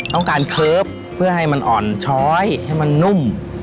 ต้องการเคิร์ฟเพื่อให้มันอ่อนช้อยให้มันนุ่ม